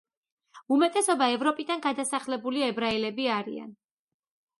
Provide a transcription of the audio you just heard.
უმეტესობა ევროპიდან გადასახლებული ებრაელები არიან.